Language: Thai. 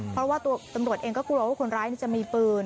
เพราะว่าตัวตำรวจเองก็กลัวว่าคนร้ายจะมีปืน